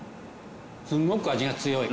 すごく味が強い。